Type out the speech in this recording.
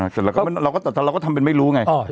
แต่เราก็ทำเป็นไม่รู้ไง